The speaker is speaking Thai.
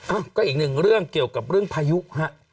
อ่ะก็อีกหนึ่งเรื่องเกี่ยวกับเรื่องพายุฮะ